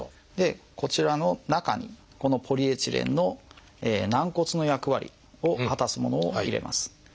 こちらの中にこのポリエチレンの軟骨の役割を果たすものを入れます。